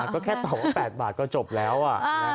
ก็แค่ตอบว่า๘บาทก็จบแล้ว